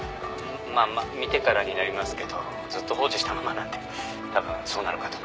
「まあ見てからになりますけどずっと放置したままなんで多分そうなるかと」